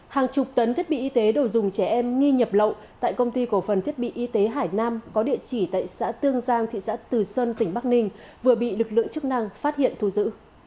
hàng chục tấn thiết bị y tế đồ dùng trẻ em nghi nhập lậu tại công ty cổ phần thiết bị y tế hải nam có địa chỉ tại xã tương giang thị xã từ sơn tỉnh bắc ninh vừa bị lực lượng chức năng phát hiện thu giữ